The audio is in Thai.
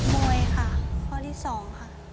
มวยค่ะข้อที่๒ค่ะ